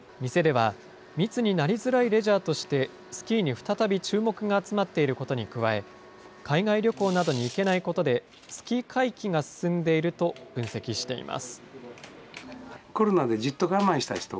店では、密になりづらいレジャーとしてスキーに再び注目が集まっていることに加え、海外旅行などに行けないことで、スキー回帰が進んでいると分析しています。